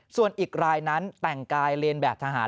ส่วนอีกรายนั้นแต่งกายเรียนแบบทหาร